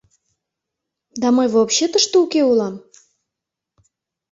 Да мый вообще тыште уке улам.